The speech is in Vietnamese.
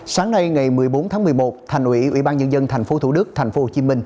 sáng nay ngày một mươi bốn tháng một mươi một thành ủy ubnd tp thcm